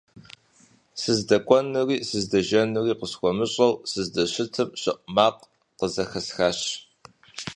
СыздэкӀуэнури сыздэжэнури къысхуэмыщӀэу сыздэщытым, щэӀу макъ къызэхэсхащ.